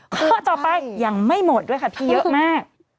ข้อต่อไปยังไม่หมดด้วยค่ะพี่เยอะมาก